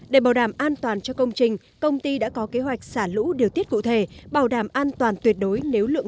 để bảo đảm an toàn cho công trình công ty đã có kế hoạch để đạt cao trình